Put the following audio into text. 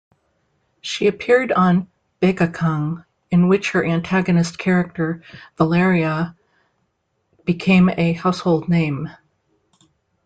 She appeared on "Bakekang", in which her antagonist character, Valeria, became a household name.